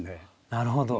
なるほど。